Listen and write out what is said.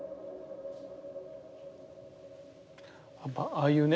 ああいうね